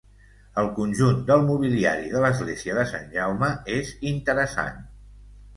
El conjunt del mobiliari de l'església de Sant Jaume és interessant.